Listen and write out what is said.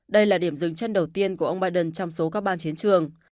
đây là điểm dừng chân đầu tiên của ông biden trong số các bang chiến trường